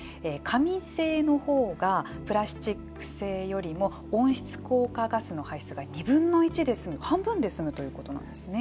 紙製の方がプラスチック製よりも温室効果ガスの排出が２分の１で済む半分で済むということなんですね。